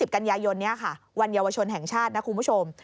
กันยายนนี้ค่ะวันเยาวชนแห่งชาตินะคุณผู้ชม